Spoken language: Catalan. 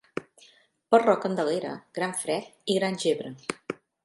Per la Candelera, gran fred i gran gebre.